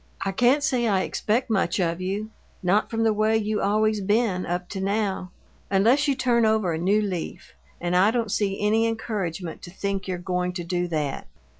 "I can't say I expect much of you not from the way you always been, up to now unless you turn over a new leaf, and I don't see any encouragement to think you're goin' to do THAT!